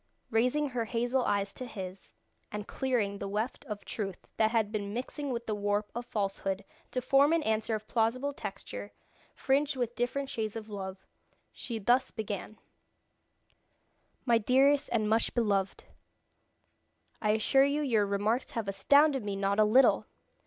Raising her hazel eyes to his, and clearing the weft of truth that had been mixing with the warp of falsehood to form an answer of plausible texture, fringed with different shades of love, she thus began: "My dearest and much beloved, I assure you your remarks have astounded me not a little!